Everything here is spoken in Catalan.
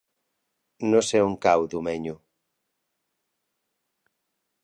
No sé on cau Domenyo.